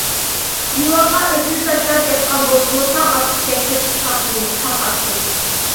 دىۋانغا ئۆزىنى تاشلاپ ياتقان بولسىمۇ تاڭ ئاتقۇچە كىرپىك قاقمىدى... تاڭ ئاتتى.